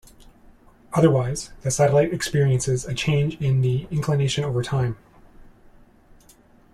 Otherwise, the satellite experiences a change in the inclination over time.